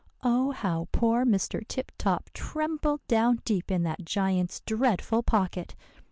"Oh, how poor Mr. Tip Top trembled down deep in that giant's dreadful pocket!